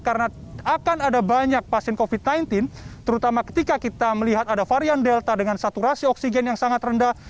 karena akan ada banyak pasien covid sembilan belas terutama ketika kita melihat ada varian delta dengan saturasi oksigen yang sangat rendah